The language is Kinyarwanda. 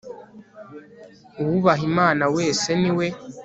uwubaha imana wese, ni we